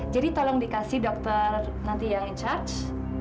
jadi tolong dikasih dokter nanti yang in charge